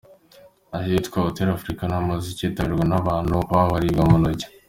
ahitwa Hotel Africana maze cyitabirwa nabantu babarirwa ku ntoki.